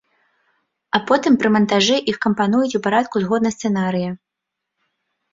А потым пры мантажы іх кампануюць у парадку згодна сцэнарыя.